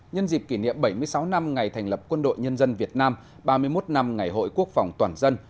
nhân dịp kỷ niệm bảy mươi sáu năm ngày thành lập quân đội nhân dân việt nam ba mươi một năm ngày hội quốc phòng toàn dân